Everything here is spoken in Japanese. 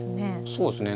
そうですね。